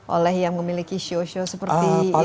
oleh yang memiliki siu siu seperti itu